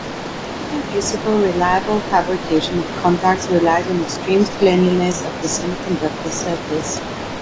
The reproducible, reliable fabrication of contacts relies on extreme cleanliness of the semiconductor surface.